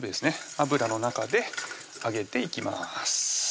油の中で揚げていきます